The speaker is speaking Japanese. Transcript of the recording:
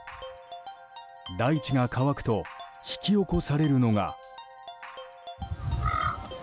大地が乾くと引き起こされるのが。